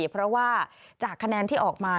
เพราะว่าจากคะแนนที่ออกมา